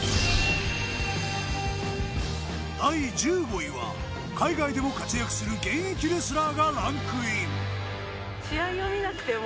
第１５位は海外でも活躍する現役レスラーがランクイン。